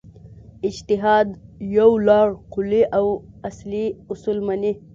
اجتهاد یو لړ کُلي او اصلي اصول مني.